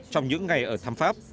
trong những ngày ở thăm pháp